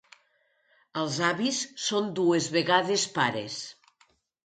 Els avis són dues vegades pares.